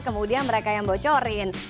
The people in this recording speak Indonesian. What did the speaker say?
kemudian mereka yang bocorin